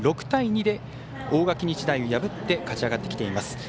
６対２で大垣日大を破って勝ち上がってきています。